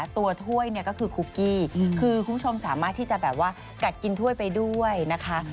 ถ้วยเนี่ยก็คือคุกกี้คือคุณผู้ชมสามารถที่จะแบบว่ากัดกินถ้วยไปด้วยนะคะ